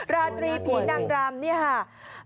ราตรีผีนั่งรำ